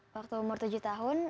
waktu umur tujuh tahun